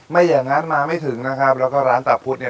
อย่างงั้นมาไม่ถึงนะครับแล้วก็ร้านตาพุทธเนี่ย